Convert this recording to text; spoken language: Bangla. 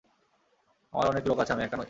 আমার অনেক লোক আছে, আমি একা নই।